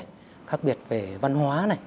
cái sự khác biệt về văn hóa này